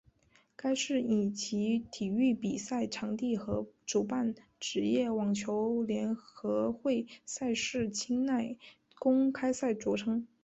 该市以其体育比赛场地和主办职业网球联合会赛事清奈公开赛着称。